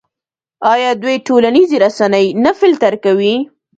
آیا دوی ټولنیزې رسنۍ نه فلټر کوي؟